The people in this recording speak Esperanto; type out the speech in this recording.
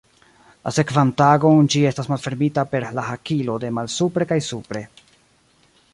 La sekvan tagon ĝi estas malfermita per la hakilo de malsupre kaj supre.